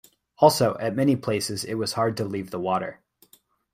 Also, at many places it was hard to leave the water.